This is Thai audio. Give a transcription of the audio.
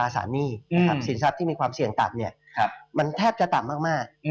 สามีสินทรัพย์ที่มีความเสี่ยงต่ำมันแทบจะต่ำมาก